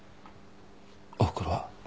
おふくろは？